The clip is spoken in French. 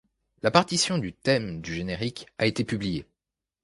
La partition du thème du générique a été publiée.